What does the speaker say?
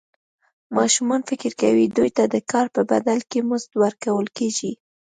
ماشومان فکر کوي دوی ته د کار په بدل کې مزد ورکول کېږي.